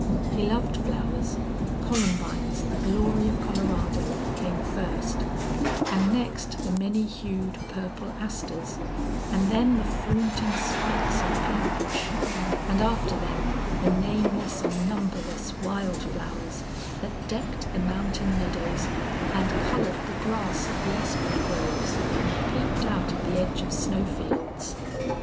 He loved flowers columbines, the glory of Colorado, came first, and next the many hued purple asters, and then the flaunting spikes of paint brush, and after them the nameless and numberless wild flowers that decked the mountain meadows and colored the grass of the aspen groves and peeped out of the edge of snow fields.